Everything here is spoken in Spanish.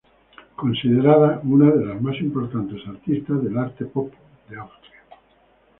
Considerada una de las más importantes artistas del arte pop de Austria.